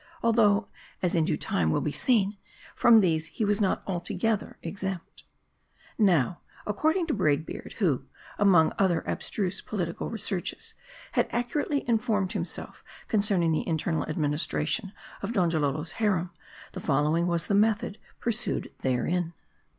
Although, as in due time will be seen, from these he was not alto gether exempt. MARDI. 281 Now, according to Braid Beard, who, among other ab struse political researches, had accurately informed himself concerning the internal administration of Donjalolo's harem, the following was the method pursued therein.